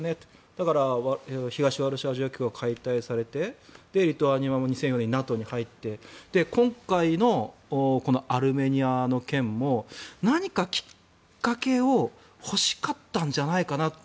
だからワルシャワ条約機構は解体されて、リトアニアも２００４年にＮＡＴＯに入って今回のこのアルメニアの件も何かきっかけを欲しかったんじゃないかなと。